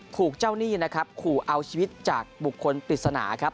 ถูกเจ้าหนี้นะครับขู่เอาชีวิตจากบุคคลปริศนาครับ